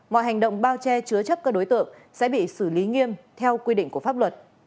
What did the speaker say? mọi hành động bao che chứa chấp các đối tượng sẽ bị xử lý nghiêm theo quy định của pháp luật